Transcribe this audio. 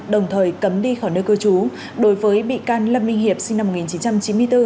đồng thời cấm đi khỏi nơi cư trú đối với bị can lâm minh hiệp sinh năm một nghìn chín trăm chín mươi bốn